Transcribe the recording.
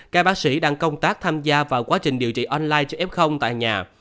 các bác sĩ đang công tác tham gia vào quá trình điều trị online f tại nhà